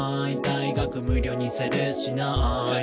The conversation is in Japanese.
「大学無料にする？しない？」